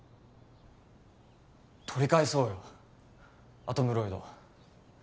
取り返そうよアトムロイド